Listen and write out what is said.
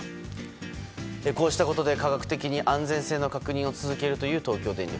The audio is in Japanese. こうしたことで科学的に安全性の確認を続けるという東京電力。